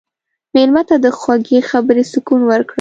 مېلمه ته د خوږې خبرې سکون ورکړه.